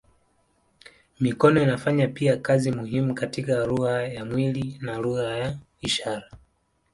Mikono inafanya pia kazi muhimu katika lugha ya mwili na lugha ya ishara.